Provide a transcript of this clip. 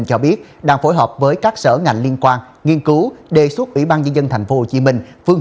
cho biết đang phối hợp với các sở ngành liên quan nghiên cứu đề xuất ủy ban nhân dân tp hcm phương